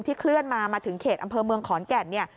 ที่เคลื่อนมามาถึงเขตอำเภอเมืองขอนแก่น